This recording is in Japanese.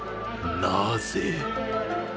なぜ？